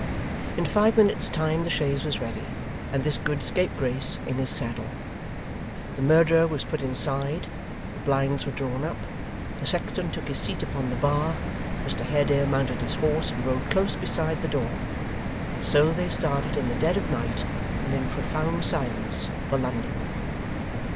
In five minutes' time the chaise was ready, and this good scapegrace in his saddle. The murderer was put inside, the blinds were drawn up, the sexton took his seat upon the bar, Mr Haredale mounted his horse and rode close beside the door; and so they started in the dead of night, and in profound silence, for London.